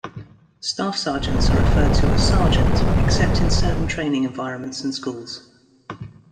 Staff sergeants are referred to as "Sergeant" except in certain training environments and schools.